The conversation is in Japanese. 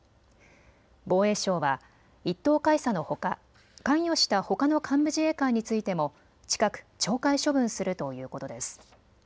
防衛省は１等海佐のほか関与したほかの幹部自衛官についても近く、懲戒処分するということです。